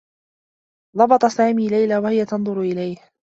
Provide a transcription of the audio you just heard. ضبط سامي ليلى و هي تنظر إليه.